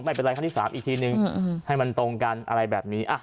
ไม่เป็นไรครั้งที่สามอีกทีหนึ่งอืมให้มันตรงกันอะไรแบบนี้อ่ะ